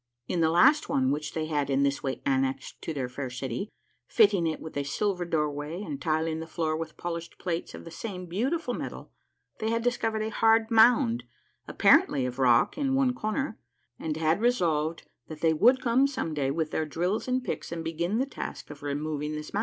In the last one which they had in this way annexed to their fair city, fitting it with a silver doorway and tiling the floor with polished plates of the same beautiful metal, they had dis covered a hard mound apparently of rock in one corner, and had resolved that they would come some day with their drills and picks and begin the task of removing this mound.